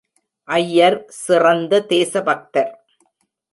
ஐயர் சிறந்த தேசபக்தர்.